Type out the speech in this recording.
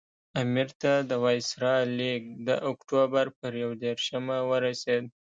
امیر ته د وایسرا لیک د اکټوبر پر یو دېرشمه ورسېد.